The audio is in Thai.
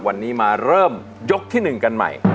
วันนี้มาเริ่มยกที่๑กันใหม่